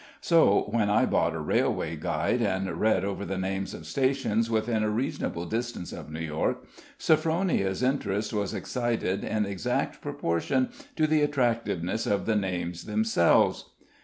So when I bought a railway guide and read over the names of stations within a reasonable distance of New York, Sophronia's interest was excited in exact proportion to the attractiveness of the names themselves.